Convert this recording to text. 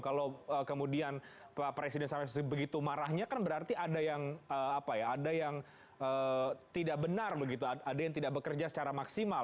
kalau kemudian pak presiden sampai begitu marahnya kan berarti ada yang tidak benar begitu ada yang tidak bekerja secara maksimal